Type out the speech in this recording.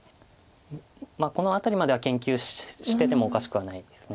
この辺りまでは研究しててもおかしくはないです。